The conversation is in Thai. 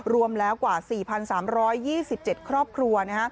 รวมแล้วกว่า๔๓๒๗ครอบครัว